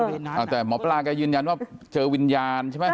เออมันแต่หมอพระราชกายืนยันว่าเจอวิญญาณใช่ไหม